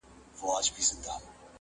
چي يې غړي تښتول د رستمانو٫